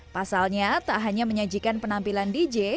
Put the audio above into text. pasalnya tak hanya menyajikan penampilan dj